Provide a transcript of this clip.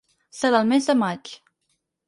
Serà el mes de maig.